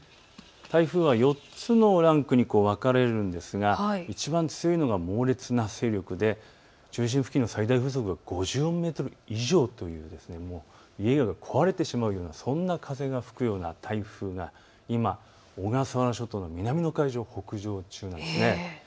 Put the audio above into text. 台風は４つのランクに分かれるんですがいちばん強いのが猛烈な勢力で中心付近の最大風速は５４メートル以上という、家が壊れてしまう、そんな風が吹くような台風が今、小笠原諸島の南の海上を北上中なんです。